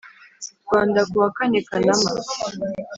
Rwanda kuwa kane Kanama